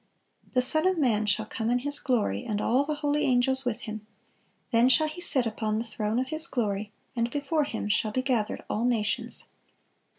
(456) "The Son of man shall come in His glory, and all the holy angels with Him. Then shall He sit upon the throne of His glory: and before Him shall be gathered all nations."